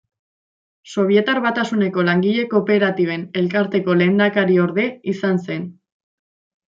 Sobietar Batasuneko Langile Kooperatiben Elkarteko lehendakariorde izan zen.